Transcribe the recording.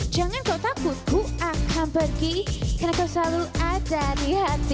jangan kau takut ku akan pergi karena kau selalu ada di hati